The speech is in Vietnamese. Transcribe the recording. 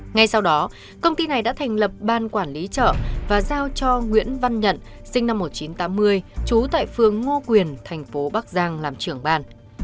ngay sau đó công ty này đã thành lập ban quản lý chợ và giao cho nguyễn văn nhận sinh năm một nghìn chín trăm tám mươi trú tại phương ngô quyền thành phố bắc giang làm trưởng ban